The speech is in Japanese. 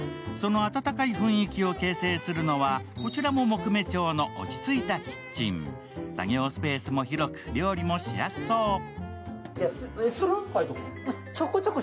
その温かい雰囲気を形成するのはこちらも木目調の落ち着いたキッチン、作業スペースも広く料理もしやすそう。